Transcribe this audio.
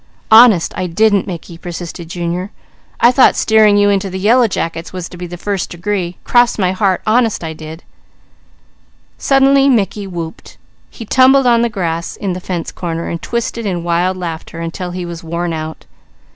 "Honest I didn't, Mickey," persisted Junior. "I thought steering you into the yellow jackets was to be the first degree! Cross my heart, I did." Suddenly Mickey whooped. He tumbled on the grass in the fence corner and twisted in wild laughter until he was worn out.